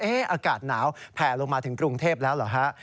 อากาศหนาวแผ่ลงมาถึงกรุงเทพแล้วเหรอฮะ